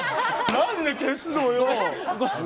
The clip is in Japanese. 何で消すのよ？